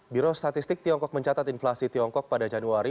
biro statistik tiongkok mencatat inflasi tiongkok pada januari